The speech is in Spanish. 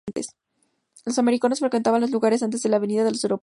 Los amerindios frecuentaban los lugares antes la venida de los europeos.